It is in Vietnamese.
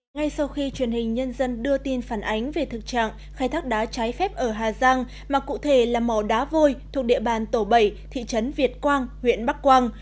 ngay sau khi truyền hình nhân dân đưa tin phản ánh về thực trạng khai thác đá trái phép ở hà giang mà cụ thể là mỏ đá vôi thuộc địa bàn tổ bảy thị trấn việt quang huyện bắc quang